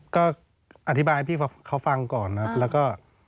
ก็อธิบายให้พี่เขาฟังก่อนครับแล้วก็